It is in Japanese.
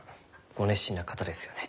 ご熱心な方ですよね。